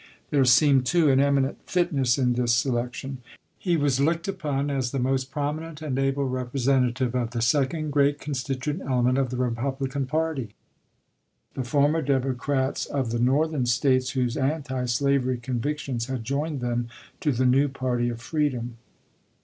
There seemed, too, an eminent fitness in this selection. He was looked upon as the most prom inent and able representative of the second great constituent element of the Eepublican party — the former Democrats of the Northern States whose anti slavery convictions had joined them to the new party of freedom.